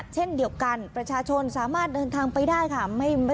เช่นเดียวกันประชาชนสามารถเดินทางไปได้ค่ะ